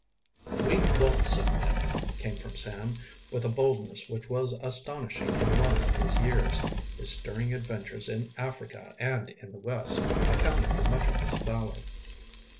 "We won't submit," came from Sam, with a boldness which was astonishing in one of his years. His stirring adventures in Africa and in the West accounted for much of this valor.